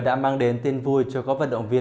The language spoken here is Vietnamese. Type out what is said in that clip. đã mang đến tin vui cho các vận động viên